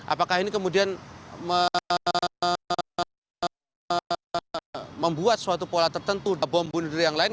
apakah ini kemudian membuat suatu pola tertentu bom bunuh diri yang lain